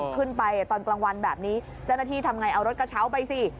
ตอนกลางวันแบบนี้เจ้าหน้าที่ทำไงเอารถกระเช้าไปสิ